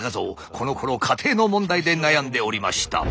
このころ家庭の問題で悩んでおりました。